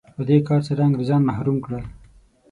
په دې کار سره انګرېزان محروم کړل.